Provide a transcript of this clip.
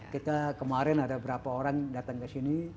kita kemarin ada berapa orang datang ke sini